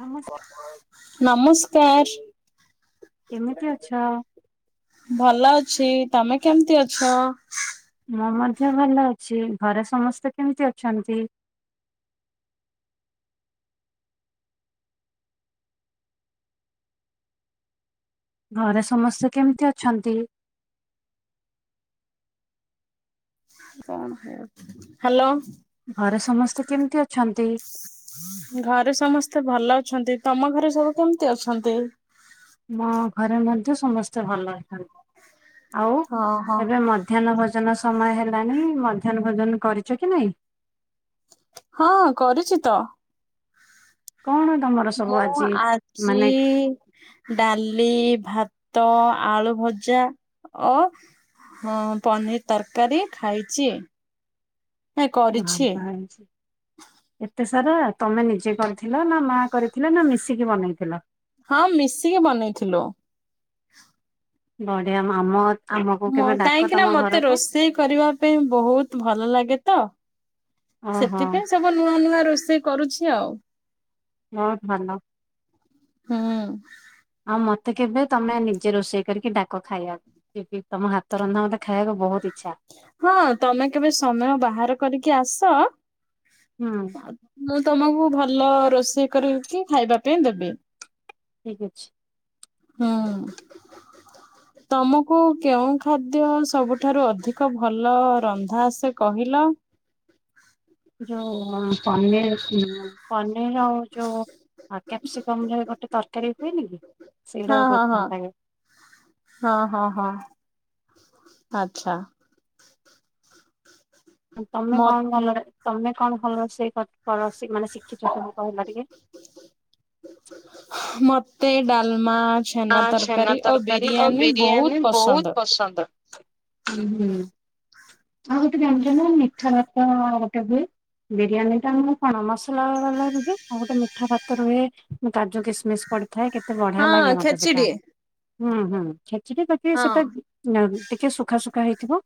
ନମସ୍କାର ନମସ୍କାର। କେମିତି ଅଛ? ଭଲ ଅଛି, ତମେ କେମତି ଅଛ? ମୁଁ ମଧ୍ୟ ଭଲ ଅଛି ଘରେ ସମସ୍ତେ କେମିତି ଅଛନ୍ତି? ଘରେ ସମସ୍ତେ କେମିତି ଅଛନ୍ତି? କଣ ହେ ହାଲୋ। ଘରେ ସମସ୍ତେ କେମତି ଅଛନ୍ତି? ଘରେ ସମସ୍ତେ ଭଲ ଅଛନ୍ତି ତମ ଘରେ ସବୁ କେମତି ଅଛନ୍ତି? ମୋ ଘରେ ମଧ୍ୟ ସମସ୍ତେ ଭଲ ଅଛନ୍ତି ଆଉ ହଁ ହଁ ଏବେ ମ ମଧ୍ୟାହ୍ନ ଭୋଜନ ସମୟ ହେଲାଣି ମଧ୍ୟାହ୍ନ ଭୋଜନ କରିଚ କି ନାଇଁ? ହଁ କରିଚି ତ। କଣ ତମର ସବୁ ମୁଁ ଆଜି ଆଜି ମାନେ ଡାଲି, ଭାତ, ଆଳୁ ଭଜା ଓ ହଁ ପନିର ତରକାରୀ ଖାଇଚି। ବାବା ହେଇଚି। ଏତେ ସାରା ତମେ ନିଜେ କରିଥିଲ ନା ମା କରିଥିଲେ ନା ମିଶିକି ବନେଇଥିଲ? ହଁ ମିଶିକି ବନେଇଥିଲୁ। ବଢିଆ ମାମତ୍ ମୋ କାହିଁକିନା ମତେ ରୋଷେଇ କରିବା ପାଇଁ ବୋହୁତ ଭଲ ଲାଗେ ତ। ଓହୋ। ଏପାଇଁ ସବୁ ନୂଆ ନୂଆ ରୋଷେଇ କରୁଛି ଆଉ। ବୋହୁତ ଭଲ। ହୁଁ ଆଉ ମତେ କେବେ ତମେ ନିଜେ ରୋଷେଇ କରିକି ଡାକ ଖାଇବା। ଟକେ ତମ ହାତ ରନ୍ଧା ମତେ ଖାଇବାକୁ ବୋହୁତ ଇଚ୍ଛା। ହଁ ତମେ କେବେ ସମୟ ବାହାର କରିକି ଆସ ହୁଁ। ଆଉ ମୁଁ ତମକୁ ଭଲ ରୋଷେଇ କରିକି ଖାଇବା ପାଇଁ ଦେବି। ଠିକ ଅଛି। ହୁଁ। ତମକୁ କେଉଁ ଖାଦ୍ୟ ସବୁଠାରୁ ଅଧିକ ଭଲ ରନ୍ଧା ଆସେ କହିଲ। ଯୋଉ ପନିର ଚିଲି ମ। ପନିର ଆଉ ଯୋଉ କ୍ୟାପସିକମ ରେ ଗୋଟେ ତରକାରୀ ହୁଏନି କି। ହଁ ସେଇଟା ହଁ ବହୁତ ଭଲ ହଁ ଲାଗେ ହଁ ହଁ ହଁ ଆଛା। ତମେ ମ କଣ ଭଲରେ ତମେ କଣ ଭଲ ରୋଷେଇ କ କର ସି ମାନେ ଶିଖିଛ କହିଲ ଟିକେ। ମତେ ଡାଲମା। ଛେନା ତରକାରୀ ଓ ତରକାରୀ ଆ ବିରିୟାନୀ ବହୁତ ବିରିୟାନୀ ପସନ୍ଦ। ବହୁତ ପସନ୍ଦ। ଆଉ ଗୋଟେ ଜାଣିଛ ନା ମିଠା ଭାତ ଗୋଟେ ହୁଏ। ବିରିୟାନୀ ଟା ମୁ କଣ ମସଲା ବାଲା ରୁହେ ଆଉ ଗୋଟେ ମିଠା ଭାତ ରୁହେ। ମୁଁ କାଜୁ କିସମିସ୍ ପଡିଥାଏ କେତେ ବଢିଆ ହଁ ଲାଗେ ମତେ ସେଇଟା। ଖେଚିଡି ହୁଁ ହୁଁ ଖେଚେଡ଼ି ଟା ଟିକେ ହଁ ସେତେ ନା ଟିକେ ସୁଖା ସୁୁଖା ହେଇଥିବ।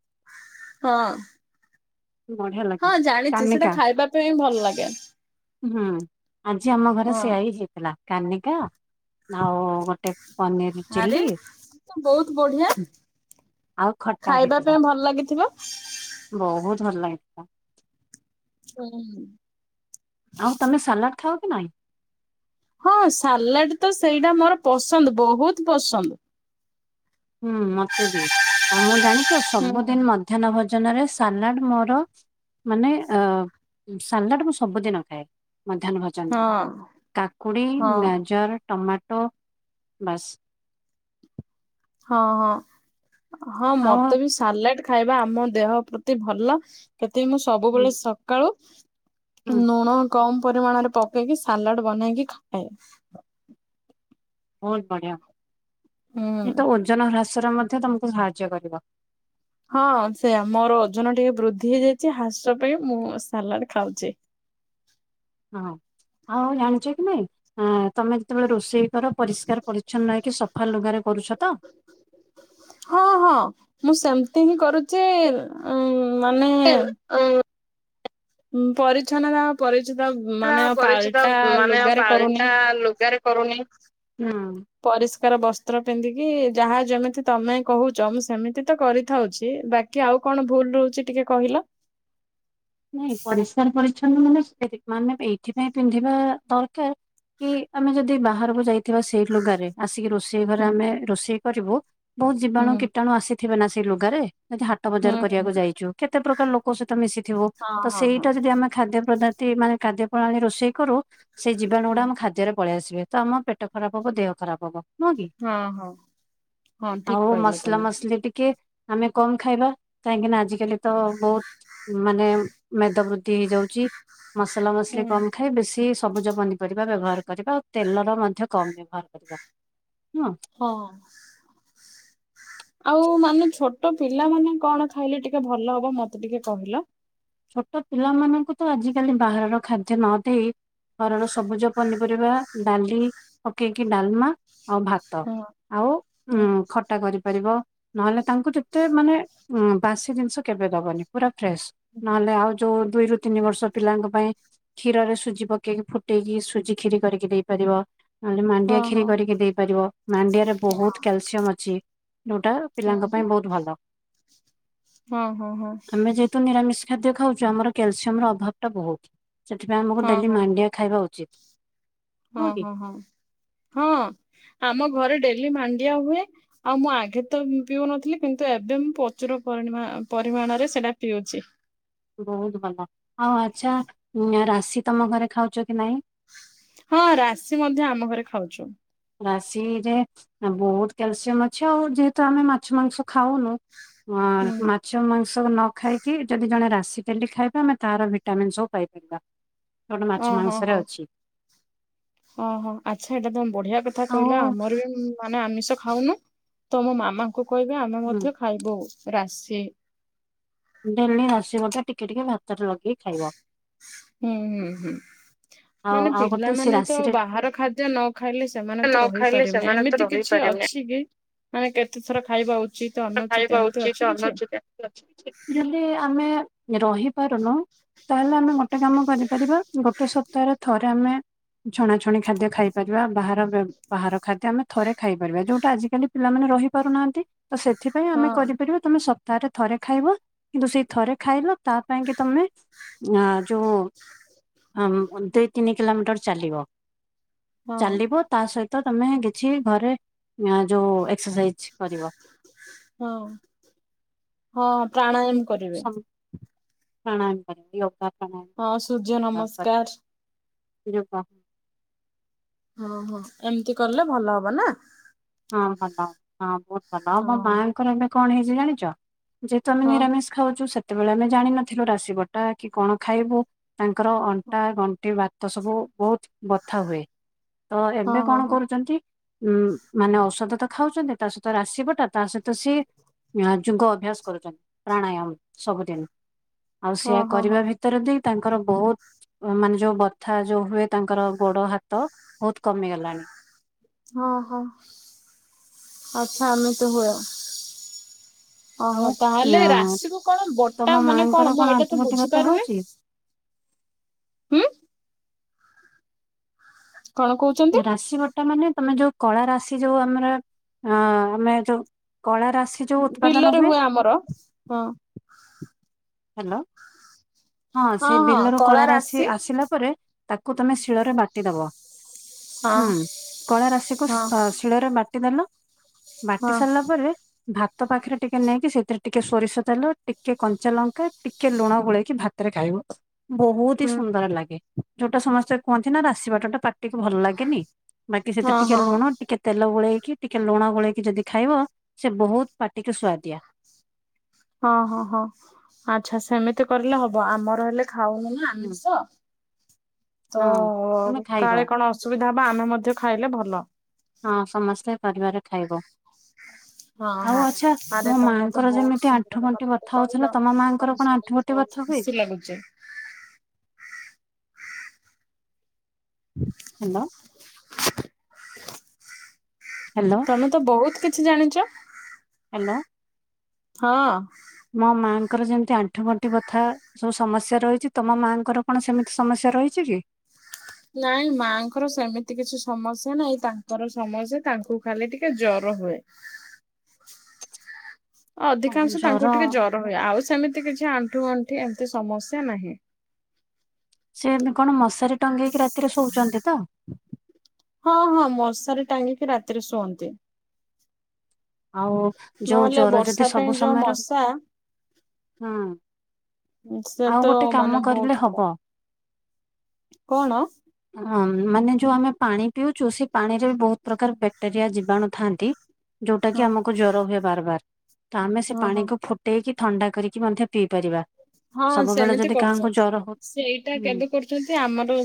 ହଁ। ବଢିଆ ଲାଗେ। ହଁ ଜାଣିଛି ସେଇଟା କାନିକା ଖାଇବା ପାଇଁ ଭଲ ଲାଗେ। ହୁଁ ଆଜି ଆମ ଘରେ ହଁ ସେଆଇ ହେଇଥିଲା କନିକା ଆଉ ଗୋଟେ। ପାନିଅରି ଆରେ ଚିଲ୍ଲି। ତ ବହୁତ ବଢିଆ। ଆଉ ଖଟା ଖାଇବା ପାଇଁ ହେଇଥିଲା ଭଲ ଲାଗିଥିବ। ବହୁତ ଭଲ ହେଇଥିଲା। ହୁଁ। ଆଉ ତମେ ସାଲାଡ ଖାଅ କି ନାଇଁ? ହଁ ସାଲାଡ ତ ସେଇଟା ମୋର ପସନ୍ଦ ବହୁତ ପସନ୍ଦ ‌। ହୁଁ ମତେ ବି ଆଉ ମୁଁ ଜାଣିଛ ହୁଁ। ସବୁଦିନ। ମଧ୍ୟାହ୍ନ ଭୋଜନ ରେ ସାଲାଡ ମୋର। ମାନେ ଅ ସାଲାଡ ମୁଁ ସବୁଦିନ ଖାଏ ମଧ୍ୟହ୍ନ ହଁ ଭ କାକୁଡି ହଁ ଗାଜର ଟମାଟୋ ବାସ। ହଁ ହଁ ହଁ ଆଉ ମତେ ବି। ସାଲାଡ ଖାଇବା ଆମ ଦେହ ପ୍ରତି ଭଲ ସେଥିପାଇଁ ମୁଁ ହୁଁ ସବୁବେଳେ ସକାଳୁ। ହୁଁ ଣୁଣ କମ ପରିମାଣରେ ପକେଇକି ସାଲାଡ ବନେଇକି ଖାଏ। ବହୁତ ବଢିଆ ହୁଁ। ଏ ତ ଓଜନ ହ୍ରାସରେ ମଧ୍ୟ ତମକୁ ସାହାଯ୍ୟ କରିବ। ହଁ ସେଇଆ ମୋର ଓଜନ ଟିକେ ବୃଦ୍ଧି ହେଇ ଯାଇଛି ହ୍ରାସ ପାଇଁ ମୁଁ ସାଲାଡ ଖାଉଛି। ହଉ ଆଉ ଜାଣିଛ କି ନାଇଁ। ହଁ ତମେ ଯେତେବେଳେ ରୋଷେଇ କର ପରିଷ୍କାର ପରିଚ୍ଛନ୍ନ ରଇକି ସଫା ଲୁଗାରେ କରୁଛ ତ? ହଁ ହଁ ମୁଁ ସେମତି ହିଁ କରୁଛି ଉଁ ମାନେ। ଉ। ମୁଁ ପରିଚ୍ଛନ୍ନତା ପରିଛିତ ମାନେ ପାଲଟା ଲୁଗାରେ କରୁନି ‌। ଟା ଲୁଗାରେ। କରୁନି ହୁଁ। ପରିଷ୍କାର ବସ୍ତ୍ର ପିନ୍ଧିକି ଯାହା ଯେମିତି ତମେ କହୁଛ ମୁଁ ସେମିତି ତ କରିଥାଉଛି ବା କି ଆଉ କଣ ଭୁଲ ରହୁଛି ଟିକେ କହିଲ। ନାଇଁ ପରିଷ୍କାର ପରିଚଛନ୍ନ ମାନେ ମାନେ ଏଇଥି ପାଇଁ ପିନ୍ଧିବା ଦରକାର। କି ଆମେ ଯଦି ବାହାରକୁ ଯାଇଥିବା ସେଇ ଲୁଗାରେ ଆସିକି ରୋଷେଇ ଘରେ ହୁଁ ଆମେ ରୋଷେଇ କରିବୁ। ବହୁତ ହୁଁ ଜୀବାଣୁ କୀଟାଣୁ ଆସିଥିବେ ନା ସେଇ ଲୁଗାରେ ଯଦି ହାଟ ହୁଁ ବଜାର କରିବାକୁ ହୁଁ ଯାଇଛୁ ‌। କେତେ ପ୍ରକାର ଲୋକ ସହିତ ମିଶିଥିବ ହଁ ତ ହଁ ହଁ। ସେଇଟା ଯଦି ଆମେ। ଖାଦ୍ୟ ପ୍ରଦାଥି ମାନେ ଖାଦ୍ୟ ପ୍ରଣାଳୀ ରୋଷେଇ କରୁ ସେଇ ଜୀବାଣୁ ଗୁଡା ଆମ ଖାଦ୍ୟରେ ପଳେଇ ଆସିବେ ‌। ତ ଆମ ପେଟ ଖରାପ ହବ ଦେହ ଖରାପ ହବ। ନୁହଁ କି ହଁ ହଁ ହଁ ଠିକ ଆଉ କହିଲ ମସଲା ତମେ ମସଲି ଟିକେ। ଆମେ କମ ଖାଇବା କାହିଁକିନା ଆଜିକାଲି ତ ବହୁତ ମାନେ। ମେଦ ବୃଦ୍ଧି ହେଇଯାଉଛି ମସଲା ମସଲି ହୁଁ। କମ ଖାଇ ବେଶୀ। ସବୁଜ ପନିପରିବା ବ୍ୟବହାର କରିବା ଆଉ ତେଲର ମଧ୍ୟ କମ ବ୍ୟବହାର କରିବା ନୁହଁ। ହଁ। ଆଉ ମାନେ ଛୋଟ ପିଲାମାନୋନ କଣ ଖାଇଲେ ଟିକେ ଭଲ ହବ ମତେ ଟିକେ କହିଲ। ଛୋଟ ପିଲାମାନଙ୍କୁ ତ ଆଜିକାଲି ବାହାରର ଖାଦ୍ୟ ନଦେଇ ଘରର ସବୁଜ ପନିପରିବା ଡାଲି ପକେଇକି ଡାଲମା। ଆଉ ଭାତ ହଁ ଆଉ ଉ ଖଟା କରିପାରିବ। ନହେଲେ ତାଙ୍କୁ ଯେତେ ମାନେ ଉ ବାସି ଜିନିଷ କେବେ ଦବନି ପୁରା ଫ୍ରେଶ। ନହେଲେ ଆଉ ଯୋଉ ଦୁଇରୁୁ ତିନି ବର୍ଷ ପିଲାଙ୍କ ପାଇଁ। କ୍ଷୀରରେ ସୁଜି ପକେଇକି ଫୁଟେଇକି ସୁଜି ଖିରି କରିକି ଦେଇ ପାରିବ। ନହେଲେ ମାଣ୍ଡିଆ ହଁ ଖୀରି ହଁ କରିକି ଦେଇପାରିବ ମାଣ୍ଡିଆରେ ବହୁତ କ୍ୟାଲସିୟମ ଅଛି। ଯୋଉଟା ହଁ ପିଲାଙ୍କ ପାଇଁ ବହୁତ ଭଲ। ହଁ ହଁ ହଁ। ତୁ ନିରାମିଷ ଖାଦ୍ୟ ଖାଉଛୁ ଆମର କ୍ୟାଲସିୟମ ର ଅଭାବ ଟା ବହୁତ ସେଥିପାଇଁ ହଁ ହଁ ଆମକୁ ହଁ ଡେଲି ମାଣ୍ଡିଆ ଖାଇବା ଉଚିତ୍। ହଁ ହଁ ହଁ ହଁ ଆମ ଘରେ ଡେଲି ମାଣ୍ଡିଆ ହୁଏ। ଆଉ ମୁଁ ଆଗେ ତ ପିଉନଥିଲି କିନ୍ତୁ ଏବେ ମୁଁ ପ୍ରଚୁରରି ପରିମାଣରେ ସେଇଟା ପିଉଛି। ବହୁତ ଭଲ ଆଉ ଆଚ୍ଛା ରାଶି ତମ ଘରେ ଖାଉଛ କି ନାଇଁ? ହଁ ରାଶି ମଧ୍ୟ ଆମ ଘରେ ଖାଉଛୁ। ରାଶିରେ ବହୁତ କ୍ୟାଲସିୟମ ଅଛି ଆଉ ଯେହେତୁ ଆମେ ମାଛ ମାଂସ ଖାଉନୁ। ହଁ ହୁଁ ମା ମାଛ ମାଂସ ନ ଖାଇକି ଯଦି ଜଣେ ରାଶି ଡେଲି ଖାଇବା ଆମେ ତାର ଭିଟାମିନ୍ ସବୁ ପାଇପାରିବା। ଯୋଉଟା ମାଛ ଓ ହୋ ମାଂସରେ ହୋ ଅଛି ଓହୋ। ଆଚ୍ଛା ଏଇଟା ତମେ ବଢିଆ କଥା ଆଉ କହିଲା ଆମର ବି ମାନେ ଆମିଷ ଖାଉନୁ ତମ ମାମା କୁ କହିବେ ଆମେ ହୁଁ ମଧ୍ୟ ଖାଇବୁ ରାଶି। ଡେଲି ଆସିବ ଟା ଟିକେ ଟିକେ ଭାତରେ ଲଗେଇକି ଖାଇବ। ହୁଁ ହୁଁ ହୁଁ। ଆଉ ମାନେ ଆଉ ଗୋଟେ ସେ ପିଲାମାନେ ତ ରାଶିରେ ବାହାର ଖାଦ୍ୟ ନ ଖାଇଲେ ସେମାନେ ନ ତ ଖାଇଲେ ରହିପାରିବେନି ସେମାନେ ତ ଏମିତି କିଛି ଅ ରହିପାରିବେନି ଅଛି କି ମାନେ କେତେ ଥର ଖାଇବା ଉ ଖାଇବା ଉଚିତ ଯଦି ଆମେ ରହିପାରୁନୁ। ତାହେଲେ ଆମେ ଗୋଟେ କାମ କରିପାରିବା ଗୋଟେ ସପ୍ତାହରେ ଥରେ ଆମେ ଛଣାଛଣି ଖାଦ୍ୟ ଖାଇପାରିବା ବାହାର ବାହାର ଖାଦ୍ୟ ଆମେ ଥରେ ଖାଇପାରିବା ଯୋଉଟା ଆଜିକାଲି। ପିଲାମାନେ ରହିପାରୁନାହାନ୍ତି ତ ସେଥିପାଇଁ ହଁ ଆମେ କରିପାରିବା ତମେ ତାରେ ଥରେ ଖାଇବ କିନ୍ତୁ ସେଇ ଥରେ ଖାଇଲ ତା ପାଇଁ କି ତମେ ନା ଯୋଉ ଦୁଇ ତିନି କିଲୋମିଟର ଚାଲିବ। ହଁ। ଚାଲିବ। ତା ସହିତ ତମେ କିଛି ଘରେ ଯୋଉ ଏକ୍ସରସାଇଜ କରିବ। ହୋଉ। ହଁ ପ୍ରା ପ୍ରାଣାୟମ କରିବା ଯୋଗା ହଁ ସୂର୍ଯ୍ୟ ପ୍ରାଣାୟମ କରିବା। ନମସ୍କାର ରୁହ। ଓହୋ ଏମିତି କଲେ ଭଲ ହବ ନା। ହଁ ଭଲ ହଁ ବହୁତ ଭଲ ହଁ ମୋ ମାଆଙ୍କର ଏବେ କଣ ହେଇଛି ଜାଣିଛ ଯେ ତମେ ହଁ ନିରାମିଷ। ଖାଉଛୁ ସେତେବେଳେ ଆମେ ଜାଣିନଥିଲୁ ରାଶିିବଟା କି କଣ ଖାଇବୁ। ତାଙ୍କର ଅଣ୍ଟା ବଣ୍ଟି ଭତ ସବୁ ବହୁତ ବଥା ହୁଏ। ତ ହଁ ଏବେ ହଁ କଣ ହଁ। କରୁଛନ୍ତି ଉଁ। ମାନେ ଔଷଧ ତ ଖାଉଛନ୍ତି ତା ସହିତ ରାସିବଟା ତା ସହିତ ସିଏ ୟାଜୁଙ୍କ ଅଭ୍ୟାସ କରୁଛନ୍ତି। ପ୍ରାଣାୟମ ସବୁଦିନ ଆଉ ହଁ ସେଆ ହଁ କରିବା ହଁ ଭି ଉତ୍ତର ଦେଇ ତାଙ୍କର ବହୁତ ମାନେ ଯୋଉ ବଥା ଯୋଉ ହୁଏ ତାଙ୍କର ଗୋଡ ହାତ ବହୁତ କମିଗଲାଣି। ହଁ ହଁ ଆଚ୍ଛା ଏମିତି ହୁଏ। ଆଉ ଓହୋ ତାହେଲେ ଅ ରାଶିକୁୁ କଣ ବଟା ତମ ମାନେ ମାଆଙ୍କର କଣ ମୁଁ ଏଇଟା ଆଣ୍ଠୁ ତୁ ଗଣ୍ଠି ବଥା ବୁଝିପାରୁନି। ହଉଛି? ଉଁ। କଣ କହୁଛୁ? ରାଶ ସେଟା ମାନେ ତମେ ଯୋଉ କଳା ରାଶି ଯୋଉ ଆମର ଅ ଆମେ ଯୋଉ କଳା ରାଶି ଯୋଉ ବିଲରେ ହୁଏ ଆମର ହଁ। ହ୍ୟାଲୋ ହଁ ସେ ହଁ ବିଲର କଳା କଳାରସି ରାଶି ଆସିଲା ପରେ ତାକୁ ତମେ ଶିଳରେ ବାଟିଦବ। ହଁ ହୁଁ କଳା ରାଶିକୁ ହଁ ଶିଳରେ ବାଟିଦେଲ ବାଟି ହଁ ସାରିଲା ପରେ ଭାତ ପାଖରେ ଟିକେ ନେଇକି ସେଥିରେ ଟିକେ ସୋରିଷ ତେଲ ଟିକେ କଞ୍ଚା ଲଙ୍କା ଟିକେ ଲୁଣ ଗୋଳେଇକି ଭାତରେ ଖାଇବ ବହୁତ ହି ହୁଁ ସୁନ୍ଦର ଲାଗେ। ଯୋଉଟା ସମସ୍ତେ କୁହନ୍ତି ନା ରାସିବାଟଟା ପାଟିକୁୁ ଭଲ ଲାଗେନି ବାକି ସେତ ହଁ ଟିକେ ହଁ ହଁ ଲୁଣ ଟିକେ ତେଲ ଗୋଳେଇକି ଟିକେ ଲୁଣ ଗୋଳେଇକି ଯଦି ଖାଇବ ସେ ବହୁତ ପାଟିକି ସୁଆଦିଆ। ହଁ ହଁ ହଁ ଆଚଛା ସେମିତି କରିଲେ ହବ ଆମର ହେଲେ ଖାଉନିି ହୁଁ ଷ ତ ହଁ ତମେ ଖାଇବ କାଳେ କଣ? ଅସୁବିଧା ହବା ଆମେ ମଧ୍ୟ ଖାଇଲେ ଭଲ। ହଁ ସମସ୍ତେ ପରିବାରେ ଖାଇବ। [inaudible] ହଁ ଆଉ ହଁ ଆଚ୍ଛା ଆରେ ମୋ ତମେ ତେ ମାଆଙ୍କର ବହୁତ ଯେମିତି ଆଣ୍ଠୁ ସୁନ୍ଦର ଗଣ୍ଠି ବଥା କଥାଟେ ହଉଥିଲା କହିଲ ତମ ମାଆଙ୍କର କଥା କଣ ଆଣ୍ଠୁ ଶୁଣିଲି। ଗଣ୍ଠି ବହୁ ବଥା ହୁଏ? ଖୁସି ଲାଗୁଛି। ହ୍ୟାଲୋ। ହ୍ୟାଲୋ। ତମେ ତ ବହୁତ କିଛି ଜାଣିଛ। ହ୍ୟାଲୋ। ହଁ। ମୋ ମାଆଙ୍କର ଯେମିତି ଆଣ୍ଠୁ ଗଣ୍ଠି ବଥା ସବୁ ସମସ୍ୟା ରହିଛି ତମ ମାଙ୍କର କଣ ସେମିତି ସମସ୍ୟା ରହିଛି କି? ନାଇଁ ମାଙ୍କର ସେମିତି କିଛି ସମସ୍ୟା ନାଇଁ ତାଙ୍କର ସମସ୍ୟା ତାଙ୍କୁ ଖାଲି ଟିକେ ଜର ହୁଏ। [unintelligible] ହଁ ଅଧିକାଂଶ ଜର ତାଙ୍କୁ ଟିକେ ଜର ହୁଏ ଆଉ ସେମିତି କିଛି ଆଣ୍ଠୁ ଆଣ୍ଠି ଏମିତି ସମସ୍ୟା ନାହିଁ। ସେ କଣ ମଶାରେ ଟଙ୍ଗେଇକି ରାତିରେ ଶୋଉଛନ୍ତି ତ? ହଁ ହଁ ମଶାରେ ଟାଙ୍ଗିକି ରାତିରେ ଶୁଅନ୍ତି। ଆଉ ଯୋଉ ନହେଲେ ଜର ଯଦି ବର୍ଷା ସବୁ ପାଇଁ ଯଉ ସମୟର ମଶା ହୁଁ ସେ ଆଉ ତ ଗୋଟେ କାମ ମାନେ କରିଲେ ବହୁତ ହବ ଖରାପ। କଣ? ହ ମାନେ ଯୋଉ ଆମେ ପାଣି ପିଉଛୁ ସେ ପାଣିରେ ବି ବହୁତ ପ୍ରକାର ଜଣୁ ଯୋଉଟା ହଁ ଆମକୁ ଜର ହୁଏ ବାର ଆମେ ଓହୋ ପା ହଁ ଦେଇେଇକି ଥଣ୍ଡା କରିକି ମଧ୍ୟ ପିଇ ପାରିବା। ହଁ ସବୁବେଳେ ସେମିତି ଯଦି କାହାଙ୍କୁ କରୁଛନ୍ତି ଜର ହଉ ସେଇଟା ହୁଁ କେବେ କରୁ ଛନ୍ତି ଆମର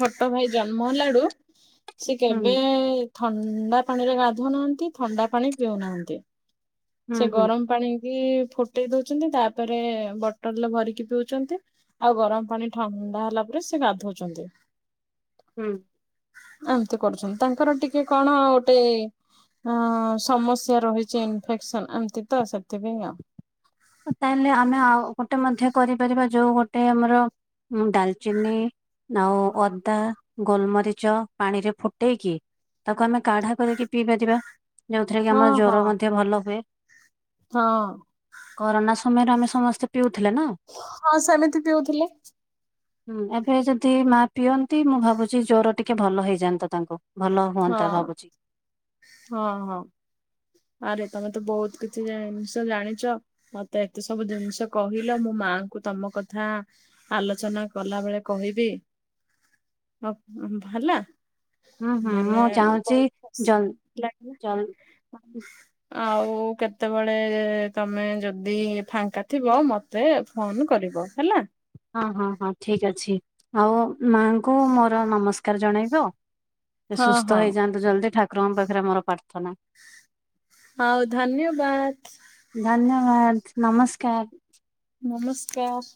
ଛୋଟ ଭାଇ ଜନ୍ମ ହେଲାଡୁ ସେ ହୁଁ କେବେ ଥଣ୍ଡା ପାଣିରେ ଗାଧୁନାହାନ୍ତି ଥଣ୍ଡା ପାଣି ପିଉନାହାନ୍ତି। ହୁଁ ସେ ହୁଁ ଗରମ ପାଣି କିି ଫୁଟେଇ ଦଉଛନ୍ତି ତାପରେ ବଟଲରେ ଭରିକି ପିଉଛନ୍ତି। ଆଉ ଗରମ ପାଣି ଥଣ୍ଡା ହେଲା ପରେ ସେ ଗାଧଉଛନ୍ତି। ହୁଁ। ଏମତି କରୁଛନ୍ତି ତାଙ୍କର ଟିକେ କଣ ଗୋଟେ ଅ ସମସ୍ୟା ରହିଛି ଇନଫେକ୍ସନ ଏମତି ତ ସେଥିପାଇଁ ଆଉ। ତାହେଲେ ଆମେ ଆଉ ଗୋଟେ ମଧ୍ୟ କରିପାରିବା ଯୋଉ ଗୋଟେ ଆମର ଡାଲଚିନି ଆଉ ଅଦା ଗୋଲମରିଚ ପାଣିରେ ଫୁଟେଇକି ତାକୁ ଆମେ କାଢା କରିକି ପିଇ ପାରିବା ଯୋଉଥିରେ କି ହଁ ଆମର ହଁ ଜ୍ଵର ମଧ୍ୟ ଭଲ ହୁଏ। ହଁ। କରୋନା ସମୟରେ ଆମେ ସମସ୍ତେ ପିଉଥିଲେ ନା। ହଁ ସେମିତି ପିଉଥିଲେ। ହୁଁ ଏବେ ଯଦି ମା ପିଅନ୍ତି, ମୁଁ ଭାବୁଛି ଜର ଟିକେ ଭଲ ହେଇଯାଆନ୍ତା ତାଙ୍କୁ। ଭଲ ହଁ ହୁଅନ୍ତା ଭାବୁଛି। ହଁ ହଁ ଆରେ ତମେ ତ ବହୁତ କିଛି କି ଜିନିଷ ଜାଣିଛ। ମତେ ଏତେ ସବୁ ଜିନିଷ କହିଲ, ମୋ ମାଙ୍କୁ ତମ କଥା ଆଲୋଚନା କଲା ବେଳେ କହିବି। ବ ହେଲା। ହୁଁ ହୁଁ ମାନେ ମୁଁ ଚାହୁଁଛି ବହୁତ ଖୁସି ଜଲ ଲାଗିଲା ଜଲ ଆଉ କେତେବେଳେ ତମେ ଯଦି ଫାଙ୍କା ଥିବ ମ ମତେ ଫୋନ କରିବ ହେଲା। ହଁ ହଁ ହଁ ଠିକ ଅଛି ଆଉ ମାଙ୍କୁ ମୋର ନମସ୍କାର ଜଣେଇବ। ସେ ହଁ ସୁସ୍ଥ ହଁ ହେଇଯାଆନ୍ତୁ ଜଲ୍ଦି ଠାକୁରଙ୍କ ପାଖରେ ମୋର ପ୍ରାର୍ଥନା? ହଉ ଧନ୍ୟବାଦ। ଧନ୍ୟବାଦ ନମସ୍କାର? ନମସ୍କାର।